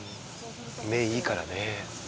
目いいからね。